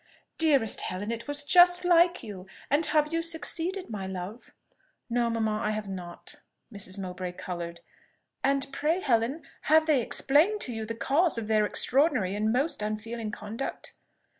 "Dearest Helen! it was just like you! And have you succeeded, my love?" "No, mamma, I have not." Mrs. Mowbray coloured. "And pray, Helen, have they explained to you the cause of their extraordinary and most unfeeling conduct?"